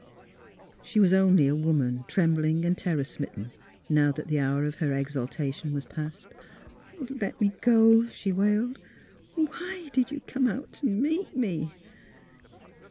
She was only a woman, trembling and terror smitten, now that the hour of her exaltation was past. '' Let me go !" she wailed. '' Oh, why did you come out to meet me?